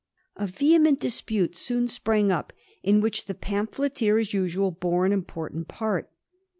A vehe ment dispute soon sprang up, in which the pamphleteer, as usual, bore an important part.